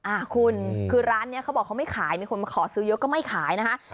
อ่าคุณคือร้านนี้เขาบอกเขาไม่ขายมีคนมาขอซื้อเยอะก็ไม่ขายนะคะ